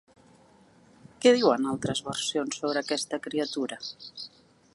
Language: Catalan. Què diuen altres versions sobre aquesta criatura?